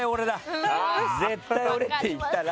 「絶対俺！」って言ったら。